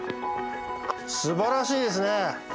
すばらしいですね。